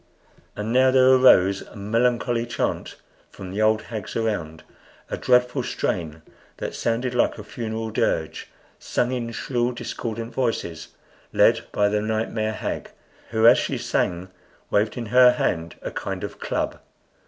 And now there arose a melancholy chant from the old hags around a dreadful strain, that sounded like a funeral dirge, sung in shrill, discordant voices, led by the nightmare hag, who as she sang waved in her hand a kind of club.